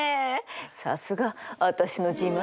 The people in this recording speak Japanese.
さすが私の自慢の息子！